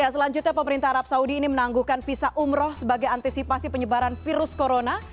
selanjutnya pemerintah arab saudi ini menangguhkan visa umroh sebagai antisipasi penyebaran virus corona